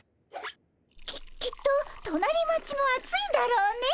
ききっと隣町も暑いだろうね。